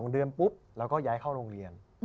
๒เดือนปุ๊บแล้วก็ย้ายเข้าโรงเรียน